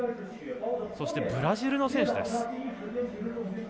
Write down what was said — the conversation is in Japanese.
そしてブラジルの選手です。